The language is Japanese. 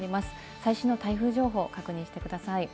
最新の台風情報を確認してください。